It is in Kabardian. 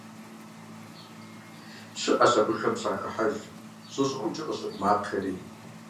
Щыӏэщ абыхэм щахыхьэж щӏы щӏыӏумкӏэ къыщыӏу макъхэри.